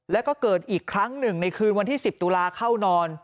แล้วก็เกิดอีกครั้งหนึ่งในคืนวันที่๑๐ตุลาเข้านอน